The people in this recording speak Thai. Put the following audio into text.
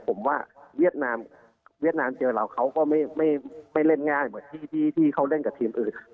ผมว่าเวียดนามเวียดนามเจอเราเขาก็ไม่เล่นง่ายเหมือนที่เขาเล่นกับทีมอื่น